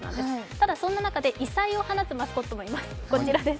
ただ、そんな中で異彩を放つマスコットもいます。